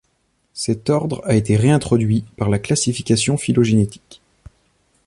Cet ordre a été réintroduit par la classification phylogénétique.